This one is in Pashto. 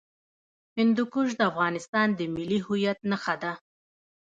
هندوکش د افغانستان د ملي هویت نښه ده.